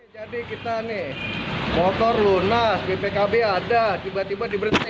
jadi kita nih motor lunas bpkb ada tiba tiba diberitakan